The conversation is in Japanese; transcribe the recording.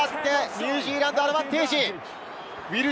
ニュージーランド、アドバンテージ。